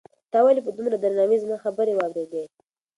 تا ولې په دومره درناوي زما خبرې واورېدې؟